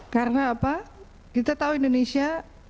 karena apa kita tahu indonesia